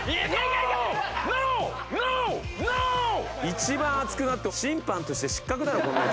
一番熱くなって審判として失格だろこんなヤツ。